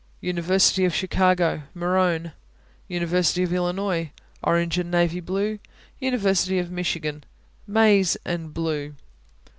University of Chicago Maroon. University of Illinois Orange and navy blue. University of Michigan Maize and blue.